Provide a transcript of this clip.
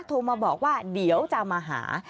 โทรมาบอกว่าเดี๋ยวจะมาหา